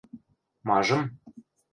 – Мажым?